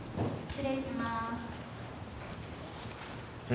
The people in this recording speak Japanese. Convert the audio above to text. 失礼します。